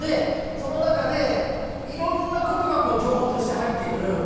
その中でいろんなことが情報として入ってくる。